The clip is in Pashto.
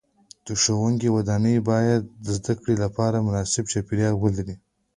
د ښوونځي ودانۍ باید د زده کړې لپاره مناسب چاپیریال ولري.